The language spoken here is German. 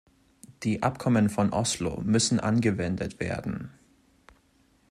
Die Abkommen von Oslo müssen angewendet werden.